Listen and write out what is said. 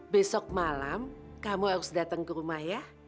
besok malam kamu harus datang ke rumah ya